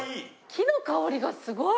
木の香りがすごい！